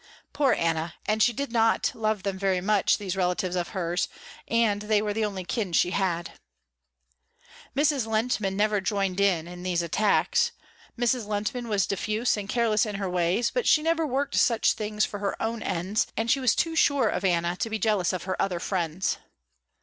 Poor Anna, and she did not love them very much, these relatives of hers, and they were the only kin she had. Mrs. Lehntman never joined in, in these attacks. Mrs. Lehntman was diffuse and careless in her ways, but she never worked such things for her own ends, and she was too sure of Anna to be jealous of her other friends.